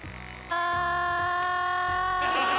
ああ。